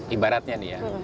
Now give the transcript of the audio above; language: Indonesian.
ibaratnya nih ya